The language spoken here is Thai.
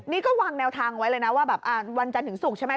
นี่ก็วางแนวทางไว้เลยนะว่าแบบวันจันทร์ถึงศุกร์ใช่ไหม